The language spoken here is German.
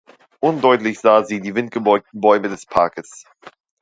Undeutlich sah sie die windgebeugten Bäume des Parkes.